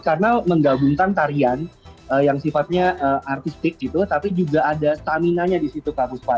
karena menggabungkan tarian yang sifatnya artistik gitu tapi juga ada stamina nya di situ kak buspa